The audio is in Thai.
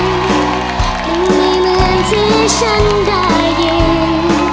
คงไม่เหมือนที่ฉันได้ยิน